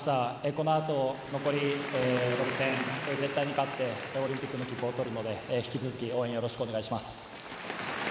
この後、残り６戦絶対に勝ってオリンピックの切符を取るので引き続き応援、よろしくお願いします。